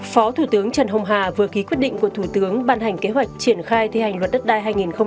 phó thủ tướng trần hồng hà vừa ký quyết định của thủ tướng ban hành kế hoạch triển khai thi hành luật đất đai hai nghìn hai mươi bốn